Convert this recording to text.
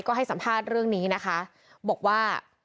ก็ให้สัมภาษณ์เรื่องนี้นะคะบอกว่า